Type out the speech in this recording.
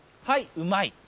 はいうまい！